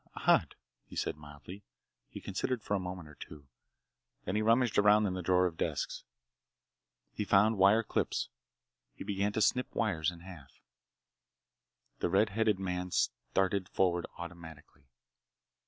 "Odd," he said mildly. He considered for a moment or two. Then he rummaged around in the drawers of desks. He found wire clips. He began to snip wires in half. The red headed man started forward automatically.